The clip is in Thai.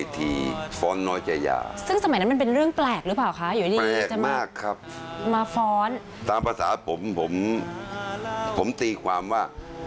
ตามภาษาผมผมตีความว่า